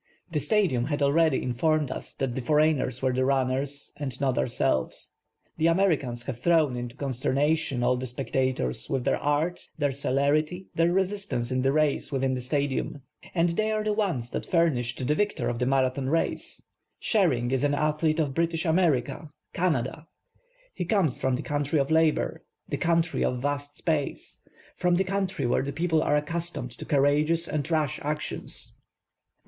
The Stadium had already informed us that the foreigners were the runners and not ourselves. The Americans have thrown into consternation all the spectators v/ith their art, their celerity, their resistance in the race within the Stadium. And they are the ones that furnished the victor of the Marathon Race. Sherring is an athlete of British America, Canada. He comes from the" country of labor, the country of vast space, from the country where the people are accustomed to courageous and rash actions. The